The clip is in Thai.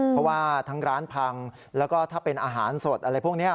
เพราะว่าทั้งร้านพังแล้วก็ถ้าเป็นอาหารสดอะไรพวกนี้